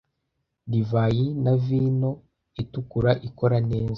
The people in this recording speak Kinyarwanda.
Divayi na vino itukura ikora neza.